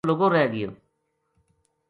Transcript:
ڈیرو لُگو رہ گیو